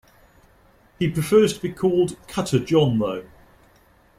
He prefers to be called Cutter John, though.